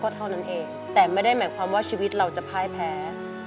แต่ไม่ได้ความว่าชีวิตเราจะพล่ายแพ้